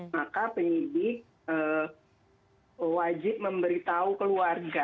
maka penyidik wajib memberitahu keluarga